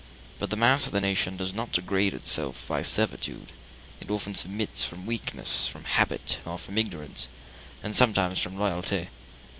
But the mass of the nation does not degrade itself by servitude: it often submits from weakness, from habit, or from ignorance, and sometimes from loyalty.